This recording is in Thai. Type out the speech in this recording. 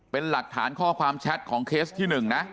เป็นหลักฐานข้อความแชทของเคสที่๑นะ